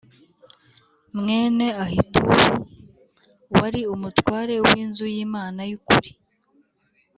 Mwene ahitubu wari umutware w inzu y imana y ukuri